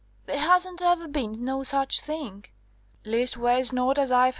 "There hasn't ever been no such thing leastways not as I've heard tell."